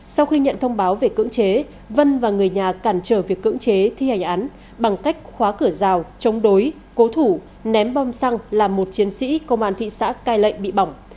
sau khi nhận thông báo về cưỡng chế vân và người nhà cản trở việc cưỡng chế thi hành án bằng cách khóa cửa rào chống đối cố thủ ném bom xăng làm một chiến sĩ công an thị xã cai lệ bị bỏng